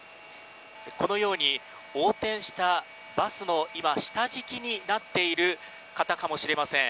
このように横転したバスの下敷きになっている方かもしれません。